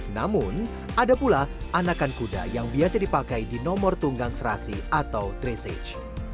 namun ada pula anakan kuda yang biasa dipakai di nomor tunggang serasi atau dressage